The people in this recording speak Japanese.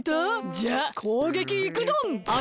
じゃあこうげきいくドン！